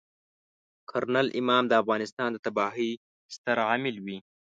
کرنل امام د افغانستان د تباهۍ ستر عامل وي.